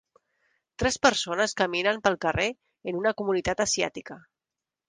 Tres persones caminen pel carrer en una comunitat asiàtica